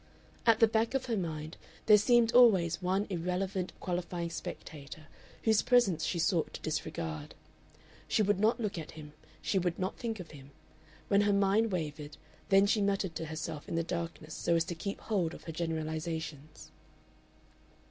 At the back of her mind there seemed always one irrelevant qualifying spectator whose presence she sought to disregard. She would not look at him, would not think of him; when her mind wavered, then she muttered to herself in the darkness so as to keep hold of her generalizations.